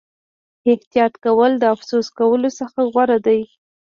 احتیاط کول د افسوس کولو څخه غوره دي.